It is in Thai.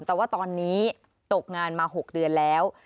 แต่ว่าตอนนี้ตกงานมา๖เดือนแล้ว